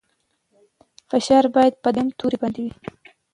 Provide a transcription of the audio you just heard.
فشار باید په دویم توري باندې وي.